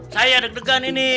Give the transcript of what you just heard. saya deg degan ini